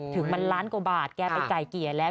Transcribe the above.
ถึง๑ล้านกว่าบาทแกไปไก่เกียร์แล้ว